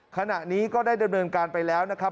ขณะนี้ก็ได้ดำเนินการไปแล้วนะครับ